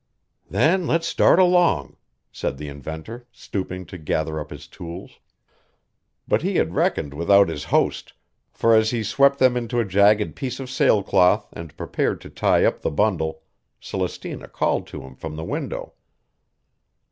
"Then let's start along," said the inventor, stooping to gather up his tools. But he had reckoned without his host, for as he swept them into a jagged piece of sailcloth and prepared to tie up the bundle, Celestina called to him from the window.